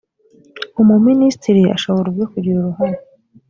umuminisitiri ashobora ubwe kugira uruhare